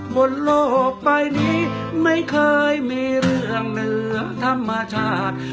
บนโลกไปนี้ไม่เคยมีเรื่องเหนือธรรมชาติ